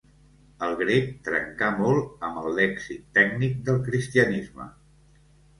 El grec trencà molt amb el lèxic tècnic del cristianisme.